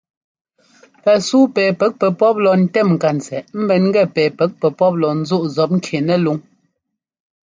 Pɛsúu pɛ pɛ́k pɛpɔ́p lɔ ńtɛ́m ŋkantsɛꞌ ḿbɛn gɛ pɛ pɛ́k pɛpɔ́p lɔ ńzúꞌ zɔpŋki nɛlúŋ.